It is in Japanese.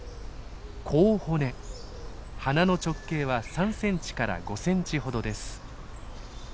花の直径は３センチから５センチほどです。